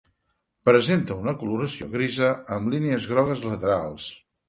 Presenta una coloració grisa, amb línies grogues laterals.